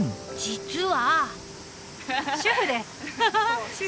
実は。